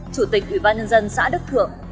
chủ tịch ủy ban nhân dân xã đức thượng